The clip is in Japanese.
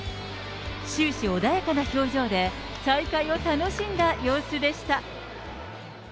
終始穏やかな表情で、再会を楽しんだ様子でした。